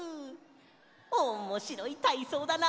おもしろいたいそうだな。